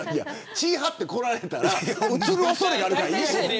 地はって来られたらうつる恐れがあるから嫌やねん。